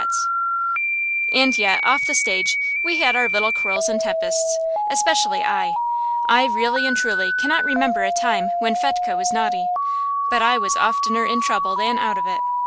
[Illustration: MY FATHER'S PORTRAIT] And yet, off the stage, we had our little quarrels and tempests, especially I. I really and truly cannot remember a time when Fetchke was naughty, but I was oftener in trouble than out of it.